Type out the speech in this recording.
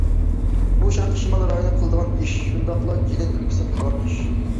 بۇ، شەرقىي شىمال رايونى قىلىدىغان ئىش، شۇنداقلا جىلىن ئۆلكىسى قىلىدىغان ئىش.